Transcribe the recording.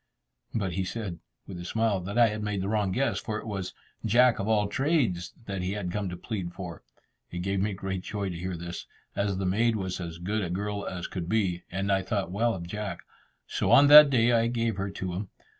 But he said, with a smile, that I had made a wrong guess, for it was "Jack of all Trades" that he had come to plead for. It gave me great joy to hear this, as the maid was as good a girl as could be, and I thought well of Jack; so on that day I gave her to him.